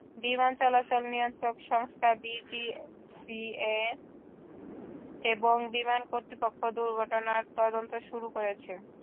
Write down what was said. বিমান চলাচল নিয়ন্ত্রক সংস্থা ডিজিসিএ এবং বিমান কর্তৃপক্ষ দুর্ঘটনার তদন্ত শুরু করেছে।